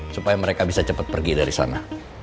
supaya mereka bisa cepat pergi dari sana